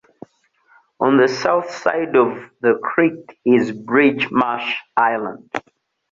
On the south side of the creek is Bridgemarsh Island.